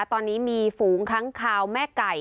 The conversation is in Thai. ตอนนี้มีฝูงค้างคาวแม่ไก่